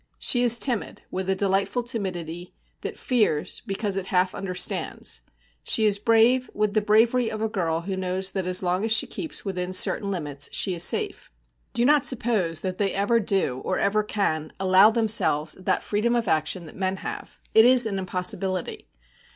She is timid, with a delightful timidity that fears, because it half understands; she is brave, with the bravery of a girl who knows that as long as she keeps within certain limits she is safe. Do not suppose that they ever do, or ever can, allow themselves that freedom of action that men have; it is an impossibility.